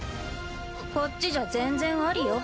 こっちじゃ全然ありよ。